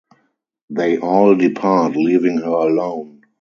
They all depart, leaving her alone.